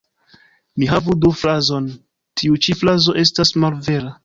Ni havu do frazon ""Tiu ĉi frazo estas malvera.